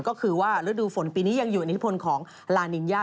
ก็คือว่าฤดูฝนปีนี้ยังอยู่อิทธิพลของลานินยา